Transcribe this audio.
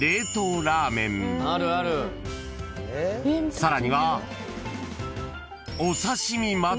［さらには］